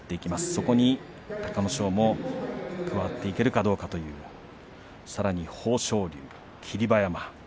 そこに隆の勝も加わっていけるかどうかというさらに豊昇龍、霧馬山。